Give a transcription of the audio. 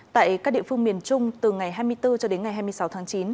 tại các địa phương miền trung từ ngày hai mươi bốn cho đến ngày hai mươi sáu tháng chín